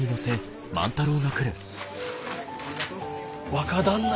若旦那！